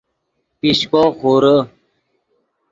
پیشکو خورے